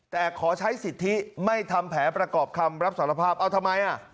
แต่ขอใช้สิทธิไม่ทำแผนประกอบคำรับสารภาพเอาทำไมอ่ะ